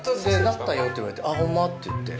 「鳴ったよ」って言われて「あっホンマ？」って言って。